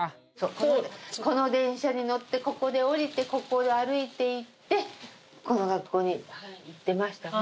この電車に乗ってここで降りてここを歩いていってこの学校に行ってましたね